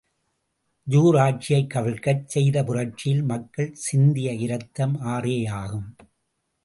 Jar ஆட்சியைக் கவிழ்க்கச் செய்து புரட்சியில் மக்கள் சிந்திய இரத்தம், ஆறேயாகும்.